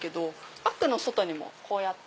バッグの外にもこうやって。